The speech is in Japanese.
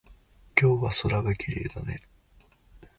今日は空がきれいだね。